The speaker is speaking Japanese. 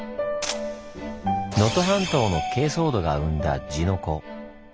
能登半島の珪藻土が生んだ地の粉。